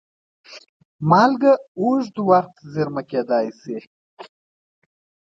مالګه اوږد وخت زېرمه کېدای شي.